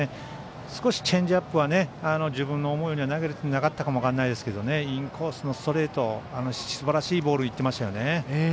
少しチェンジアップは自分の思うようには投げられてなかったかもしれませんがインコースのストレートすばらしいボールいってました。